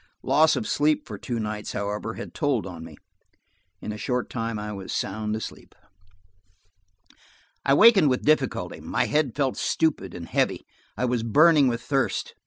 Loss of sleep for two nights, however, had told on me: in a short time I was sound asleep. I wakened with difficulty. My head felt stupid and heavy, and I was burning with thirst.